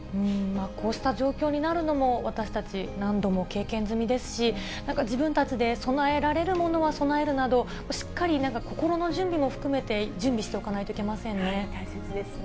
こうした状況になるのも、私たち、何度も経験済みですし、自分たちで備えられるものは備えるなど、しっかり、なんか心の準備も含めて準備しておかないといけませんね。